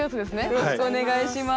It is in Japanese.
よろしくお願いします。